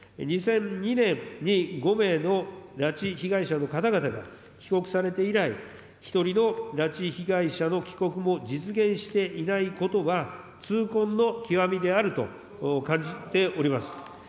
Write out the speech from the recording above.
２００２年に５名の拉致被害者の方々が帰国されて以来、１人の拉致被害者の帰国も実現していないことは痛恨の極みであると感じております。